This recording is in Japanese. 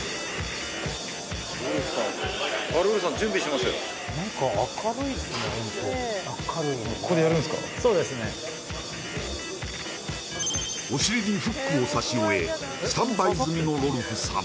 ロルフさんあっお尻にフックを刺し終えスタンバイ済みのロルフさん